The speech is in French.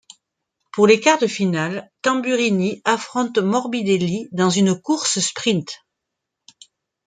Pour les quarts de finale, Tamburini affronte Morbidelli dans une course sprint.